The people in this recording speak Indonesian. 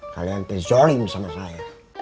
kalian terzorin sama saya